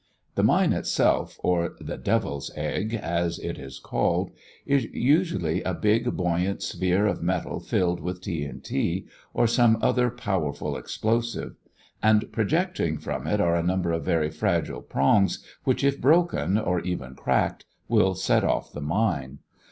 The mine itself, or the "devil's egg" as it is called, is usually a big buoyant sphere of metal filled with TNT or some other powerful explosive; and projecting from it are a number of very fragile prongs which if broken or even cracked will set off the mine.